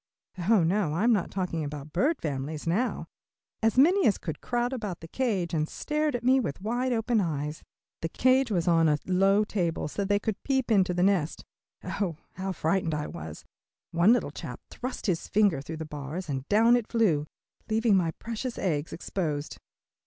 Oh, no, I'm not talking about bird families now. As many as could crowded about the cage and stared at me with wide open eyes. The cage was on a low table so they could peep into the nest. Oh, how frightened I was. One little chap thrust his finger through the bars, and down I flew, leaving my precious eggs exposed.